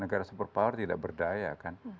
negara super power tidak berdaya kan